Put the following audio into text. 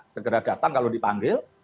segera datang kalau dipanggil